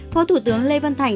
phó thủ tướng lê văn thành